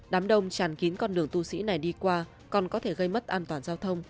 đám đông tràn kín con đường tu sĩ này đi qua còn có thể gây mất an toàn giao thông